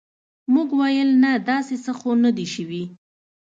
موږ ویل نه داسې څه خو نه دي شوي.